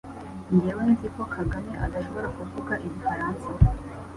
Njyewe nzi ko Kagame adashobora kuvuga igifaransa